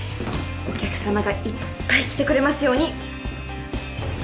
お客様がいっぱい来てくれますように。